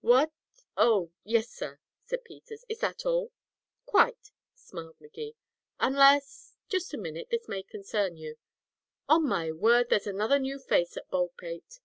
"What oh yes, sir," said Peters. "Is that all?" "Quite," smiled Magee. "Unless just a minute, this may concern you on my word, there's another new face at Baldpate."